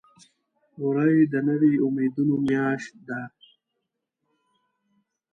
وری د نوي امیدونو میاشت ده.